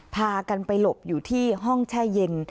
พากันไปหลบอยู่ที่ห้องแช่เย็น